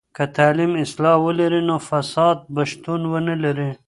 که تعلیم اصلاح ولري، نو فساد به شتون ونلري.